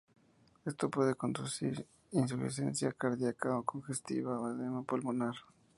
Esto puede conducir a insuficiencia cardiaca congestiva o edema pulmonar.